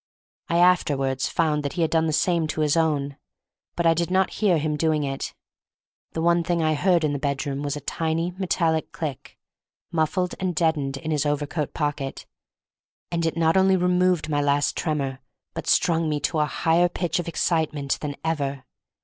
I afterwards found that he had done the same to his own, but I did not hear him doing it. The one thing I heard in the bedroom was a tiny metallic click, muffled and deadened in his overcoat pocket, and it not only removed my last tremor, but strung me to a higher pitch of excitement than ever.